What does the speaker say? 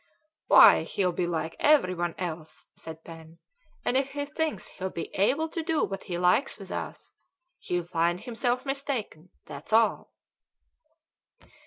"Why, he'll be like everyone else," said Pen, "and if he thinks he'll be able to do what he likes with us, he'll find himself mistaken, that's all!"